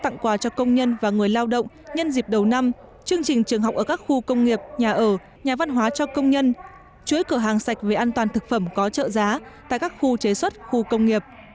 tổ chức chương trình gặp gỡ tặng quà cho công nhân và người lao động nhân dịp đầu năm chương trình trường học ở các khu công nghiệp nhà ở nhà văn hóa cho công nhân chuối cửa hàng sạch về an toàn thực phẩm có trợ giá tại các khu chế xuất khu công nghiệp